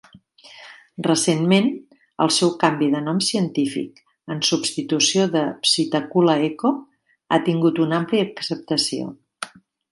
Recentment, el seu canvi de nom científic en substitució de "Psittacula echo" ha tingut una àmplia acceptació.